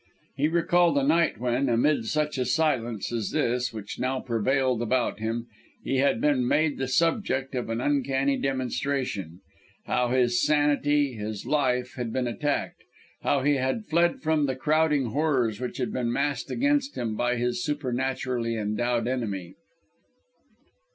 He recalled a night when, amid such a silence as this which now prevailed about him, he had been made the subject of an uncanny demonstration; how his sanity, his life, had been attacked; how he had fled from the crowding horrors which had been massed against him by his supernaturally endowed enemy.